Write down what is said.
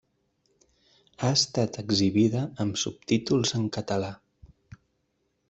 Ha estat exhibida amb subtítols en català.